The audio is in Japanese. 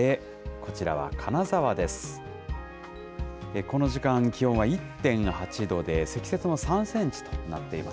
この時間、気温は１．８度で、積雪も３センチとなっています。